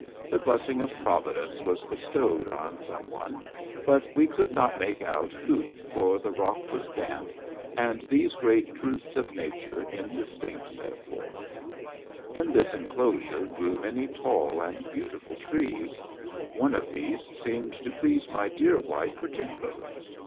The blessing of Providence was bestowed on some one, but we could not make out who, for the rock was damp, and these great truths of nature indistinct therefore. In this enclosure grew many tall and beautiful trees ; one of these seemed to please my dear wife particularly.